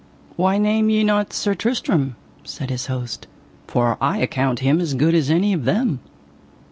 Why name ye not Sir Tristram? said his host, for I account him as good as any of them.